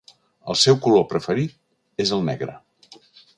El seu color preferit és el negre.